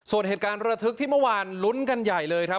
ส่วนเหตุการณ์ระทึกที่เมื่อวานลุ้นกันใหญ่เลยครับ